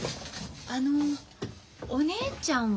あのお姉ちゃんは？